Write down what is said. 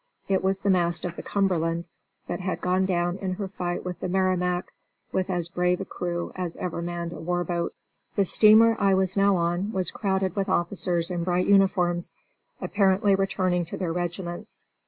It was the mast of the Cumberland, that had gone down in her fight with the Merrimac with as brave a crew as ever manned a war boat. The steamer I was now on was crowded with officers in bright uniforms, apparently returning to their regiments.